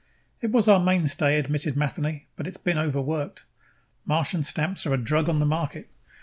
"It was our mainstay," admitted Matheny, "but it's been overworked. Martian stamps are a drug on the market.